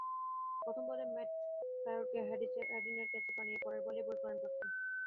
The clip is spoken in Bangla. পঞ্চম বলে ম্যাট প্রায়রকে হাডিনের ক্যাচ বানিয়ে পরের বলেই বোল্ড করেন ব্রডকে।